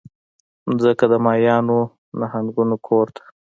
مځکه د ماهیانو، نهنګانو کور ده.